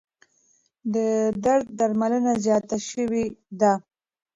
د درد درملنه زیاته شوې ده.